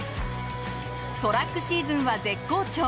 トラックシーズンは絶好調。